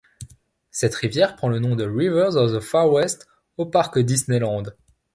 Cette rivière prend le nom de Rivers of the Far West au Parc Disneyland.